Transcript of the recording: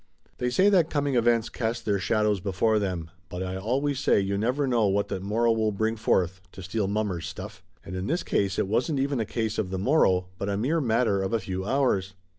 They say that coming events cast their shadows be fore them, but I always say you never know what the morrow will bring forth to steal mommer's stuff. And in this case it wasn't even a case of the morrow, but a mere matter of a few hours.